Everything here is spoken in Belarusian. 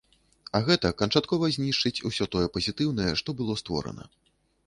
А гэта канчаткова знішчыць усё тое пазітыўнае, што было створана.